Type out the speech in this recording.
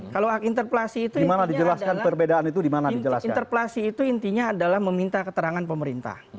kalau hak interpelasi itu intinya adalah meminta keterangan pemerintah